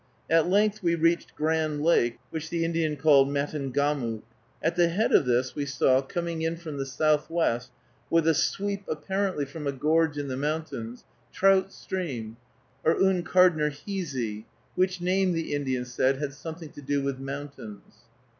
At length we reached Grand Lake, which the Indian called Matungamook. At the head of this we saw, coming in from the southwest, with a sweep apparently from a gorge in the mountains, Trout Stream, or Uncardnerheese, which name, the Indian said, had something to do with mountains.